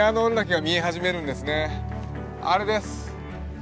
あれです。